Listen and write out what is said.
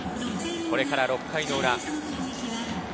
これから６回の裏。